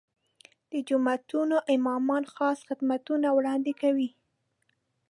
د جوماتونو امامان خاص خدمتونه وړاندې کوي.